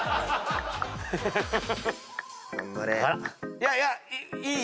いやいやいい。